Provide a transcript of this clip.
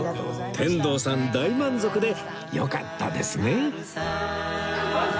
天童さん大満足でよかったですね